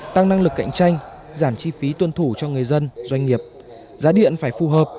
tăng năng lực cạnh tranh giảm chi phí tuân thủ cho người dân doanh nghiệp giá điện phải phù hợp